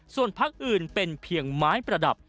ส่วนพักอื่นเป็นเพียงไม้ประดับ